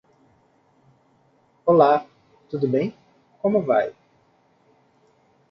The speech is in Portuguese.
Olá! Tudo bem? Como vai?